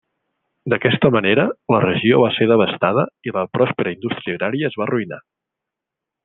D'aquesta manera, la regió va ser devastada i la pròspera indústria agrària es va arruïnar.